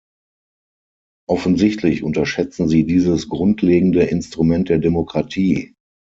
Offensichtlich unterschätzen sie dieses grundlegende Instrument der Demokratie.